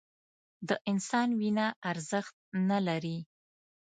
د انسان وینه ارزښت نه لري